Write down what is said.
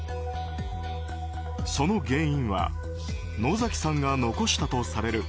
その原因は野崎さんが残したとされる